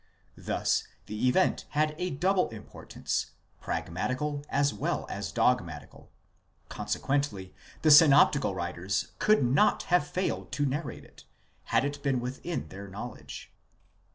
'Thus the event had a double importance —pragmatical as well as dogmatical; consequently, the synoptical writers could not have failed to narrate it, had it been within their knowledge.